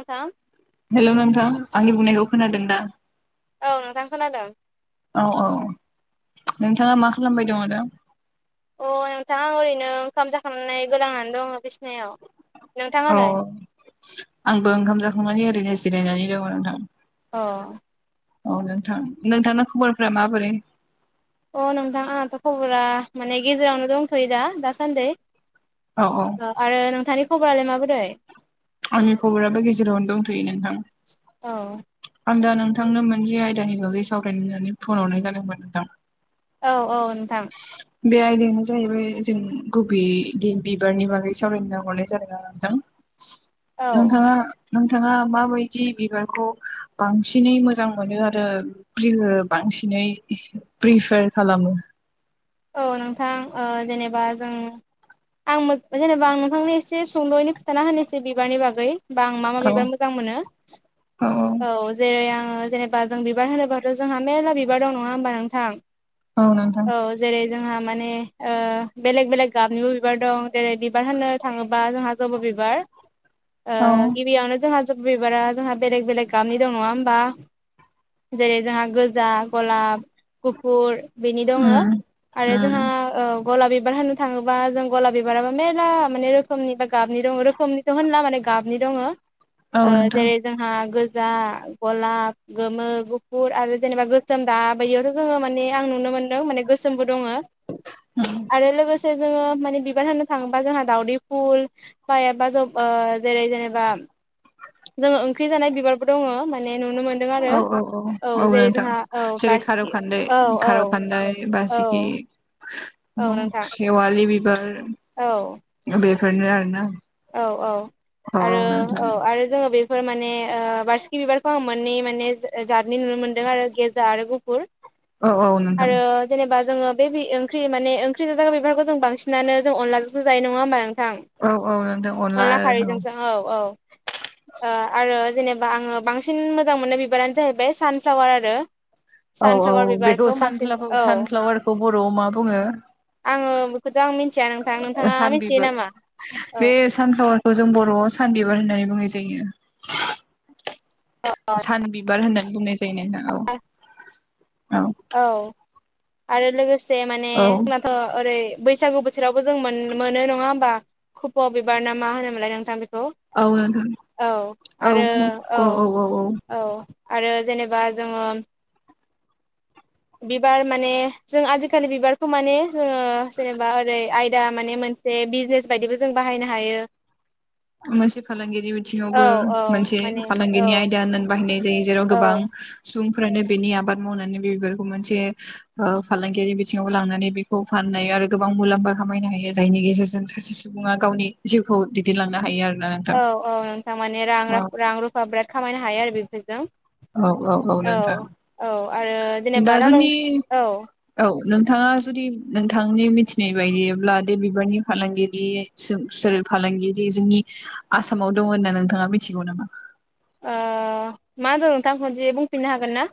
नोंथां हेलौ नोंथां आंनि बुंनायखौ खोनादों दा? औ नोंथां खोनादों। औ औ नोंथाङा मा खालामबाय दं दा? अ नोंथां ओरैनो ओंखाम जाखांनाय गोलांनानै दं बिसि अ आंबो ओंखाम जाखांनानै आरो ओरैनो जिरायनानै दंङ' नोंथां। अ औ नोंथां नोंथांना खबरफ्रा माबोरै? अ नोंथां, आंहाथ' खबरा माने गेजेरावनो दंथ'यो दा दासान्दै औ औ । आरो नोंथांनि खबरालाय माबोरै? आंनि खबराबो गेजेरावनो दंथ'यो नोंथां। औ आंदा नोंथांनो मोनसे आयदानि बागै सावरायनो होननानै फन हरनाय जादोंमोन नोंथां। औ औ नोंथां। बे आयदायानो जाहैबाय जों गुबैयै बिबारनि बागै सावरायनो हरनाय जादों नोंथां। औ नोंथाङा नोंथाङा माबायदि बिबारखौ बांसिनै मोजां मोनो आरो प्रि ओ बांसिनै प्रिफार खालामो? औ नोंथां ओ जेनेबा जों आं मो जेनेबा आं नोंथांनो एसे सुंद'यैनो खिथाना होनोसै बिबारनि बागै होमबा आं मा मा औ बिबार मोजां मोनो औ । औ जेरै आं ओ जेनेबा जों बिबार होनोबाथ' जोंहा मेरला बिबार दं नङा होमबा नोंथां? औ नोंथां। बे जोंहा माने ओ बेेलेग बेलेग गाबनिबो बिबार दं जेरै बिबार होननो थाङोबा जोंहा जबा बिबार औ ।ओ गिबियावनो जोंहा बिबारा जोंहा बेलेग बेलेग गाबनि दं नङा होमबा? जेरै जोंहा गोजा, गलाब, गुफुर बेनि दङो उम आरो जोंहा उम गलाब बिबार होननो थाङोबा जों गलाब बिबाराबो मेरला माने रोखोमनि बा गाबनि दं रोखोमनिथ' होनला माने गाबनि दंङो औ ओ नोंथां जेरै जोंहा गोजा, गलाब, गोमो, गुफुर आरो जेनेबा गोसोम दा बायदियावथ' जोङो माने आं नुनो मोन्दों माने गोसोमबो दङो उम आरो लोगोसे माखासे जोङो माने बिबार होननो थाङोबा जोंहा दावदै फुल बा एबा ज ओ जेरै जेनेबा जोङो ओंख्रि जानाय बिबारबो दङो माने नुनो मोनदों आरो औ औ । औ जेरै नोंथां जोंहा औ बारसिगि, औ औ । बारसिखि, नोंथां सेेवालि बिबार औ । बेफोरनो आरो ना। औ औ आरो औ आरो जोङो बे बेफोर माने ओ बारसिखि बिबारखौ आं मोन्नै माने जातनि नुनो मोन्दों आरो गोजा आरो गुफुर। औ औ नोंथां आरो । जेनेबा जोङो बे बि ओंख्रि माने ओंख्रि गोजा बिबारखौ जों बांसिनानो जों अनलाजोंसो जायो नङा होमबा नोंथां? औ औ । अनला खारैजोंसो औ औ । ओ आरो जेनेबा आङो बांसिन मोजां मोननाय बिबारानो जाहैबाय सानफ्लावार आरो। औ औ सानफ्लावार बेखौ बिबारखौ बांसिन सानफ्लावार औ सानफ्लावारखौ बर'आव मा बुङो आङो बेखौथ' आं मिथिया नोंथां नोंथाङा मिथियो सानबिबार नामा? औ बे सानफ्लावारखौ जों बर'आव सान बिबार होननानै बुंनाय जायो। सानबिबार होननानै बुंनाय जायो नोंथां औ। औ आरो लोगोसे माने औ जोंनाथ' ओरै बैसागु बो- थोरावबो जों मोन-मोनो नङा होमबा? खफ' बिबार ना मा होनोमोनलाय नोंथां! नंगौ औ नोंथां औ औ आरो औ औ आरो जेनेबा जोङो बिबार माने जों आजिखालि बिबारखौ माने जोङो जेनेबा ओरै आयदा माने मोनसे बिजनेस बायदिबो जों बाहायनो हायो । मोनसे फालांगियारि बिथिङावबो औ मोनसे माने औ फालांगिनि आयदा होननानै बाहायनाय जायो जेराव औ गोबां सुबुंफ्रानो बेनि आबाद मावनानै बिबारखौ मोनसे ओ फालांगियारि बिथिङाव लांनानै बेखौ फान नाय आरो गोबां मुलाम्फा खामायनो हायो जायनि गेजेरजों सासे सुबुङा गावनि जिउखौ दैदनलांनो औ औ नोंथां माने रां रा औ रां रुफा बिराद खामायनो हायो आरो बेफोरजों। औ औ औ नोंथां औ आरो जेनेबा दा नों जोंनि औ औ - नोंथाङा जुदि नोंथांनि मिथिनाय बायदिब्ला बे बिबारनि फालांगिरि सों सोर फालांगिरि जोंनि आसामाव दङ होनना नोंथाङा मिथिगौ नामा? ओ मा होनदों नोंथां खनसे बुंफिननो हागोन ना?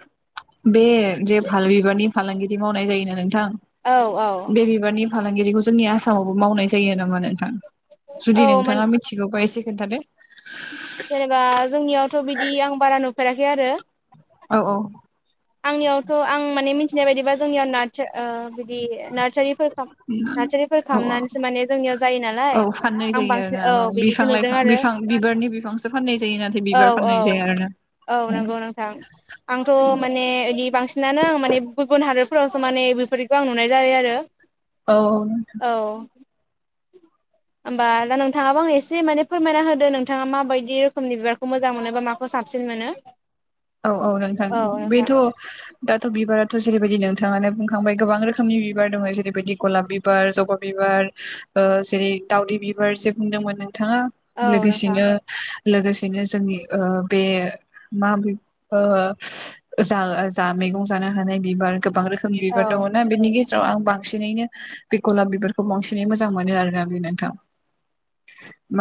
बे जे भाल बिबारनि फालांगिरि मावनाय जायोनो नोंथां औ औ बे बिबारनि फालांगिरिखौ जोंनि आसामावबो मावनाय जायो नामा नोंथां? जुदि औ मान नोंथाङा मिथिगौबा एसे खिन्थादो। जेनेबा जोंनियावथ' बिदि आं बारा नुफेराखै आरो औ औ आंनियावथ' आं माने मिथिनाय बायदिबा जोंनियाव नार्स बिदि नार्सारिफोरख नार्सारिफोर औ औ खालामनानैसो माने जोंनियाव जायो औ नालाय फाननाय आं जायो आरोना बांसिन औ बिफां बिदिसो लाइफां नुदों आरो। बिफां बिबारनि बिफांसो फाननाय जायो नाथाय औ बिबार फाननाय औ जाया औ आरोना। नंगौ नोंथां आंथ' माने ओदि बांसिनानो आं माने गुबुन हा दोरफोरावसो माने बेफोरखौ आं नुनाय जायो आरो औ नोंथां औ होमबा दा नोंथाङाबो आंनो एसे माने फोरमायना होदो नों? थाङा माबायदि रोखोमनि बिबारखौ मोजां मोनो बा माखौ साबसिन मोनो? औ औ नोंथां औ नोंथां बेथ' दाथ' बिबाराथ' जेरै बायदि नोंथाङानो बुंखांबाय गोबां रोखोमनि बिबार दङ जेरैबायदि गलाब बिबार जबा बिबार ओ जेरै दावदै बिबार एसे बुंदोंमोन नों? थाङा औ नोंथां लोगोसेनो लोगोसेनो जोंनि ओ बे माबै- ओ जा जा मैगं जानो हानाय बिबार गोबां रोखोमनि औ बिबार दङना बेनि गेजे जाव आं बांसिनैनो बे गलाप बिबारखौ बांसिनै मोजां मोनो आरोना बे नोंथां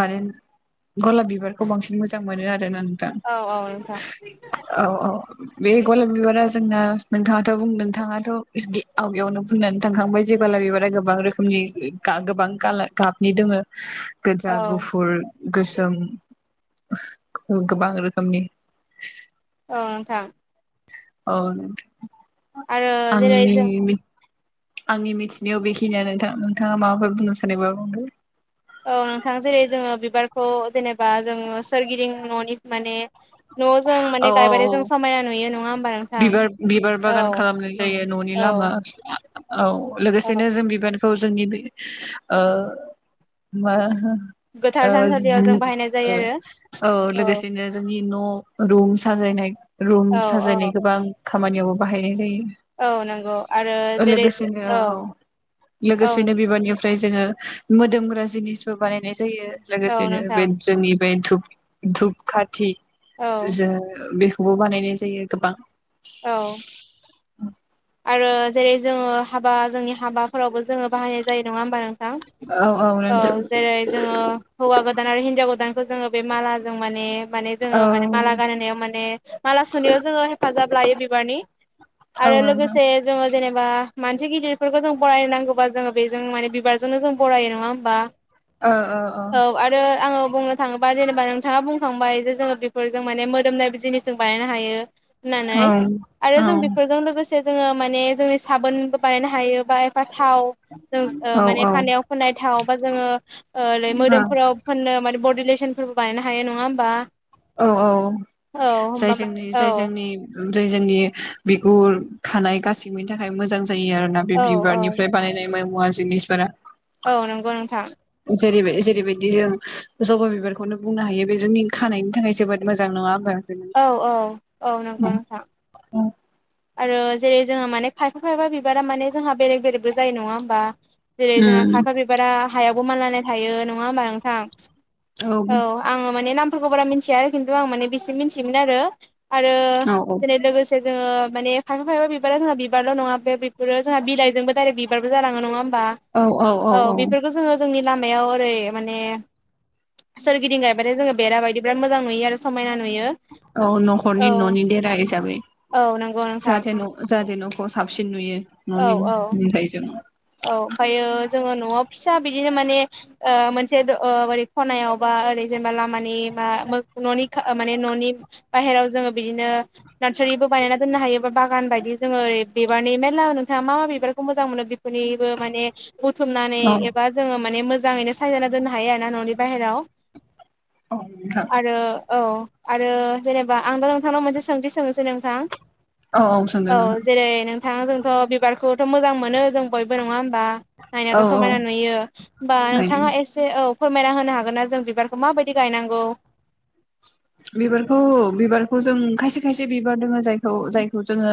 मानो गलाब बिबारखौ बांसिन मोजां मोनो आरो आरोना नोंथां औ औ नोंथां औ औ बे गलाब बिबारा जोंना नोंथाङाथ' बुं नोंथाङाथ' गे आवगयावनो बुंनानै थांखांबाय जे गलाब बिबारा गोबां रोखोमनि गोबां गाबनि दङो। गोजा औ गुफुर गोसोम गोबां रोखोमनि औ नोंथां औ आरो जेरै आंनि जों आंनि मिथिनायाव बेखिनिानो नोंथा नोंथाङा माबाफोर बुंनो सानबो बुंदो? औ नोंथां जेरै जोङो बिबारखौ जेनेबा जोंङो सोरगिदिं न'नि माने न'आव जों औ औ माने औ गायबारिजों समायना नुयो नङा होम बिबार बिबार बागान खालामनाय जायो न'नि लामा औ औ औ लोगोसेनो जों बिबानखौ जोंनि ओ बे मा गोथार थानसालियाव जों बाहायनाय ओ जायो आरो औ लोगोसेनो जोंनि न' रुम साजायनाय रुम औ साजायनाय औ गोबां खामानियावबो बाहायनाय जायो। औ नंगौ आरो जेरै लोगोसेनो औ औ लोगोसेनो बिबारनि फ्राय जोङो मोदोमग्रा जिनिसबो बानायनाय जायो औ लोगोसेनो बे नोंथां जोंनि बे धुप धुप खाथि औ जो बेखौबो बानायनाय जायो गोबां औ आरो जेरै जोङो हाबा जोंनि हाबाफोरावबो जोङो बाहायनाय जायो नङा होमबा नों थां औ औ नोंथां जेरै जोङो हौवा गोदान आरो हिनजाव गोदान खौ जोङो बे माला जों माने माने जोङो औ माने माला गानहोनायाव माने माला सुनायाव जोङो हेफाजाब लायो बिबारनि औ आरो लोगोसे नोंथां जोंङो जेनेबा मानसि गिदिरफोरखौ जों बरायनांगौबा जोङो बेजों माने बिबारजोंनो जों बरायो नङा होमबा ओ ओ औ आरो आङो बुंनो थाङोबा जेनेबा नोंथाङा बुंखांबाय जे जोङो बेफोरजों माने मोदोमनाय जिनिसजों बानायनो हायो होननानै आरो जों बेफोरजों लोगोसे जोङो माने जोंनि साबोनबो बानायनो हायो बा एफा थाव जों ओ औ औ माने खानायाव फोननाय थाव बा जोङो ओ ओरै मोदोमफोराव फोननो माने बडले सन फोरबो बायनो हायो नङा होमबा औ औ औ जाय होमबा माने जोंनि औ जाय जोंनि जाय जोंनि बिगुर खानाय गाससिबोनि थाखाय मोजां जायो आरोना बे औ औ बिबारनिफ्राय बानायनाय मा मुवा जिनिसफोरा औ नंगौ नोंथां जेरैबा जेरैबायदि जों जबा' बिबारखौनो बुंनो हायो बेजों खानायनि थाखाय जोबोद मोजां नङा होमबा औ औ औ नंगौ उम नोंथां उम आरो जेरै जोङो माने खायफा खायफा बिबारा माने जोंहा बेरेग बेरेगबो जायो नङा होमबा जेरै- जोंहा खायफा बिबारा हायावबो मानलानाय थायो नङा होमबा नोंथां औ आङो माने नामफोरखौ बारा मोनथिया आरो खिन्थु आं माने बेसिम मोनथियोमोन आरो आरो औ जेरै लोगोसे जोङो माने खायफा खायब बिबारा जोंहा बिबारल' नङा बेफोरो जोंहा बिलाइजोंबो दाइरेक्ट बिबारबो जालाङो नङा होम बा औ बेफोरखौ जोङो जोंनि लामायाव ओरै माने सोरगिदिं गायबाथाय जोङो बेरा बायदि बिराद मोजां नुयो आरो समायना नुयो औ न'खरनि औ न'नि देरा हिसाबै औ नंगौ नोंथां जाहाथे न' जाहाथे न'खौ साबसिन नुयो औ औ न'निफ्राय जों औ ओमफायो जोङो न'आव फिसा बिदिनो माने ओ मोनसे ओरै खनायाव बा ओरै जेनेबा लामानि मा मो न'नि खा माने न'नि बाहेराव जोङो बिदिनो नादसारिबो बानायना दोननो हायो बा बागान बायदि जोङो ओरै बिबारनि मेरला नों थाङा मा मा बिबारखौ मोजां मोनो बेफोरनिबो माने बुथुमनानै औ एबा जोङो माने मोज जाङैनो सायजाना दोननो हायो आरो ना न'नि बाहेरायाव औ नोंथां आरो औ आरो जेनेबा आंबो नोंथांनाव मोनसे सोंथि सोंनोसै नोंथां औ औ सोंदो नोंथां थांआ जोंथ' बिबारखौथ' मोजां मोनो जों बयबो नङा होमबा नायनायावथ' समायना औ नुयो होमबा नोंथाङा एसे औ फोरमायना होनो हागोन ना जों बिबारखौ माबायदि गायनांगौ बिबारखौ बिबारखौ जों खायसे खायसे बिबार दङो जायखौ जायखौ जोङो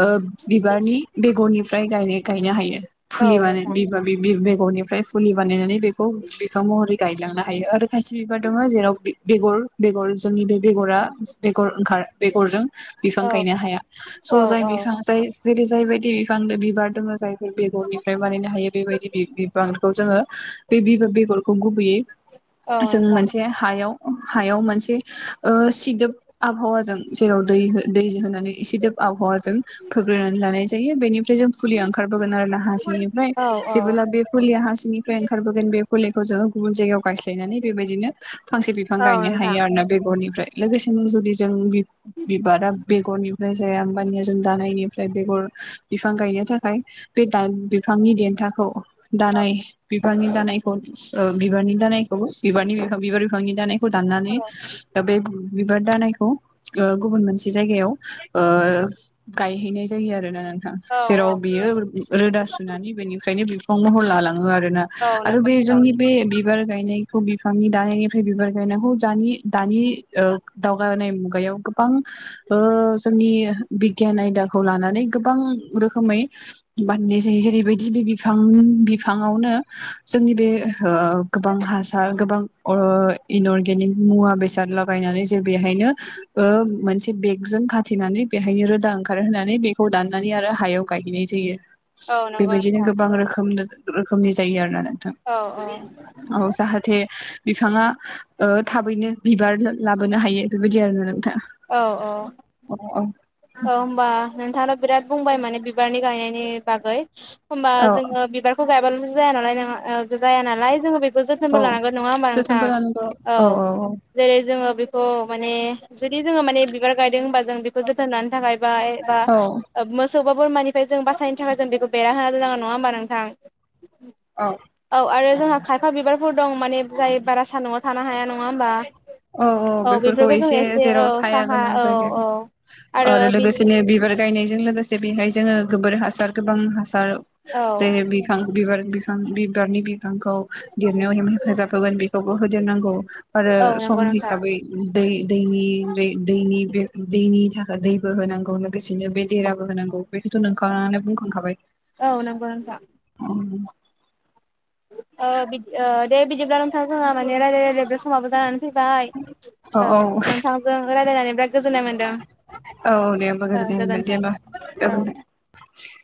ओ बिबारनि बेगरनिफ्राय गायनो गायनो हायो औ फुलिबानो नोंथां बिबा बि बि बेग गरनिफ्राय फुलि बानायनानै बेखौ बिफां महरै गायलांनो हायो आरो खायसे बिबार दङ जेराव बि बेगर बेगर जोंनि बे बेगरा बेगर ओंखार बेगरजों बिफां औ गायनो हाया औ स' जाय औ बिफां जाय जेरै- जायबायदि फांबो बिबार दङ जायफोर बेगरनिफ्राय बानायनो हायो बेबायदि बि बिबांखौ जोङो बे ब बेगर खौ गुबैयै औ जों नोंथां मोनसे हायाव हायाव मोनसे ओ सिदोब आबहावाजों जेराव दै हो दै होनानै सिदोब आबहावाजों फोग्रोनानै लानाय जायो बेनिफ्राय जों फुलिया ओंखारबोगोन आरो ना हा सिंनिफ्राय औ औ जेबोला बे फुलिया हा सिंनिफ्राय ओंखारबोगोन बे फुलिखौ जोङो गुबुन जायगायाव गायस्लायनानै बेबायदिनो फांसे बिफां औ गायनो नोंथां हायो आरो ना। गरनिफ्राय लोगोसेनो जुदि जों बि बिबारा बेगरनिफ्राय जाया होमबानिया जों दानायनि फ्राय बेगर बिफां गायनो थाखाय बे दाल बिफांनि देनथाखौ औ दानाय बिफांनि दानायखौ ओ बिबारनि दानायखौबो बिबारनि बिफां बिबार बिफांनि दानाय खौ दाननानै बे बिबार दानायखौ ओ गुबुन मोनसे जायगायाव ओ गायहैनाय जायो आरोना नोंथां औ जेराव बियो रोदा सुनानै बेनिफ्रायनो बे फं महर लालाङो आरोना औ औ आरो नंगौ बे नोंथां जोंनि बे बिबार गायनायखौ बिफांनि दानायनि फाय बिबार गायनायखौ जानि दानि ओ दावगानाय मुगायाव गोबां ओ जोंनि बिगियान आयदाखौ लानानै गोबां रोखोमै बाननाय जायो जेरैबायदि बे बिफां बिफाङावनो जोंनि बे ओ गोबां हासार गोबां अर इनअर्गेनिक मुवा बेस जारल्दा बायनानै जों बेहायनो ओ मोनसे बेखजों खाथिनानै बेहायनो रोदा ओंखारहोनानै बेखौ दाननानै आरो हायाव गायहैनाय जायो। औ नंगौ बेबायदिनो नोंथां गोबां रोखोमनो रोखोमनि जायो आरोना नों। औ औ जाहाथे बि फाङा ओ थाबैनो बिबार ला लाबोनो हायो बेबायदि आरोना नोंथां औ औ औ औ औ होमबा नोंथाङानो बिराद बुंबाय माने बिबारनि गायनायनि बागै होमबा औ जोङो बिबारखौ गायबाल जायानालाय नङा ओग जाया नालाय जोङो बेखौ जोथोनबो लानांगोन औ नङा होमबा नोंथां जोथोनबो लानांगौ औ जेरै जोङो बे खौ माने जुदि जोङो माने बिबार गायदों होनबा जों बेखौ जोथोन लानो थाखाय बा एबा औ ओ मोस सौ बा बोरमानिफ्राय जों बासायनो थाखाय जों बेखौ बेरा होना दोननांगौ नङा होमबा नोंथां? औ आरो जोंहा खायफा बिबारफोर दं माने जाय बारा सान्दुङाव थानो हाया नङा होमबा? औ औ बेफोरखौ जों एसे औ जेराव साया साहा गोनां औ जायगा औ आरो लोगोसेनो बिबार गायनायजों लोगोसे बेहाय जोङो गोबोर हासार गोबां हास बिबार औ जेरै बिफां बिबार बिफां बिबारनि बि फांखौ देरनायाव हेफाजाब होगोन बेखौबो होदेरनांगौ आरो औ सम नंगौ नोंथां हिसाबै दै दैनि दै दैनि बे दैनि थाखाय दैबो होनांगौ लोगोसेनो बे देराबो होनांगौ बेखौथ' नोंथांङानो बुंखांखाबाय। औ नोंगौ नोंथा। उम। बिदि ओ दे बिदिब्ला नोंथां जोहा माने रायलाय रायलाय बे समाबो जाना फैबाय ओ औ नोंथांजों रायलायनानै बिराद गोजोननाय मोन्दों। औ दे आंबो गोजोननाय मोनदों दे औ होमबा ।